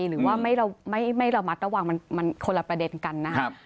หรือว่าไม่ระมัดระวังมันคนละประเด็นกันนะครับ